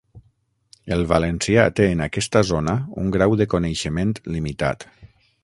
El valencià té en aquesta zona un grau de coneixement limitat.